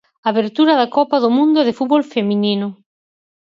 Abertura da Copa do Mundo de fútbol Feminino.